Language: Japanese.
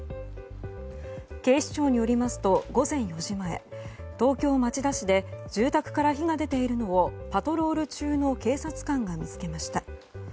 警視庁によりますと午前４時前東京・町田市で住宅から火が出ているのをパトロール中の警察官が見つけました。